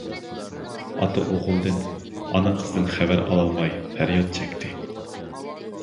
ئاتا ئوغۇلدىن، ئانا قىزىدىن خەۋەر ئالالماي پەرياد چەكتى.